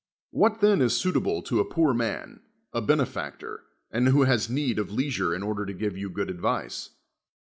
What then is suitable to a poor man, a benefactor, and who has need of leisure in order to give you good advice?